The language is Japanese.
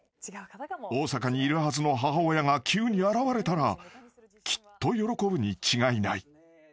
［大阪にいるはずの母親が急に現れたらきっと喜ぶに違いない］